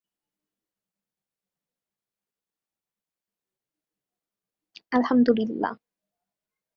তবে বন্দর সাধারণত এক বা একাধিক পোতাশ্রয় নিয়ে গঠিত হয়ে থাকে।